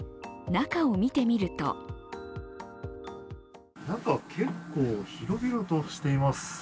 中を見てみると中、結構広々としています。